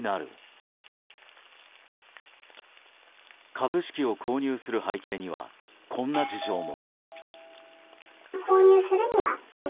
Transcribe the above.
株式を購入する背景にはこんな事情も。